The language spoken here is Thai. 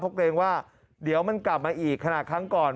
พบกันว่าเดี๋ยวมันกลับมาอีกขนาดครั้งก่อน